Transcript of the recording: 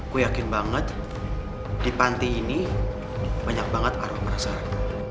aku yakin banget di panti ini banyak banget arah penasaran